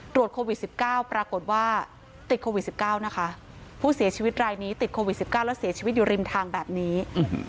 ตรวจโควิดสิบเก้าปรากฏว่าติดโควิดสิบเก้านะคะผู้เสียชีวิตรายนี้ติดโควิดสิบเก้าแล้วเสียชีวิตอยู่ริมทางแบบนี้อืมฮือ